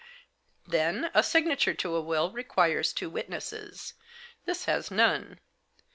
Then a signature to a will requires two witnesses ; this has none.